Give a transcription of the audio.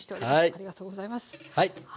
ありがとうございます。